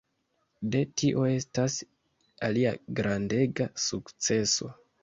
Do tio estas alia grandega sukceso.